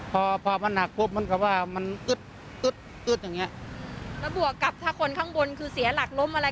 พอพอมันหนักปุ๊บเหมือนกับว่ามันอึดอึดอึดอย่างเงี้ยแล้วบวกกับถ้าคนข้างบนคือเสียหลักล้มอะไร